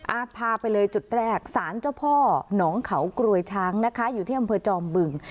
พาไปเลยจุดแรกสารเจ้าพ่อหนองเขากรวยช้างนะคะอยู่ที่อำเภอจอมบึง